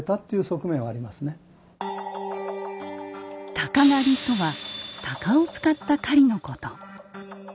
「鷹狩」とは鷹を使った狩りのこと。